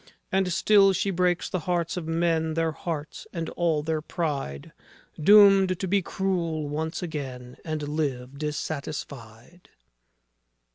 And still she breaks the hearts of men, Their hearts and all their pride, Doomed to be cruel once again, And live dissatisfied.